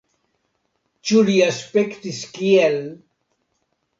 Ĉu li aspektis kiel !